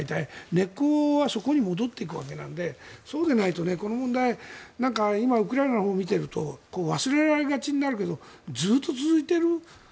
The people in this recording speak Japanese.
根っこはそこに戻っていくわけなのでそうでないとこの問題は今、ウクライナのほうを見ていると忘れられがちになるけどずっと続いている。